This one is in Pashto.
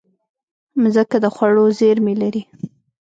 مځکه د خوړو زېرمې لري.